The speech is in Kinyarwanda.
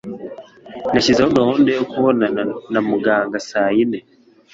Nashyizeho gahunda yo kubonana na muganga saa yine.